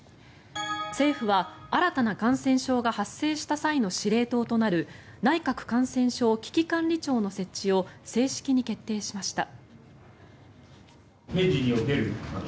政府は新たな感染症が発生した際の司令塔となる内閣感染症危機管理庁の設置を正式に決定しました。